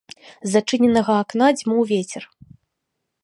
З адчыненага акна дзьмуў вецер.